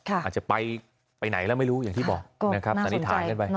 อาจจะไปไหนแล้วไม่รู้อย่างที่บอกนะครับสันนิษฐานกันไป